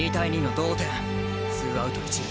ツーアウト一塁。